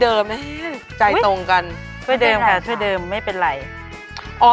เดี๋ยวจะบอกว่าเอาใช้ถ้วยเดิมนี่แหละ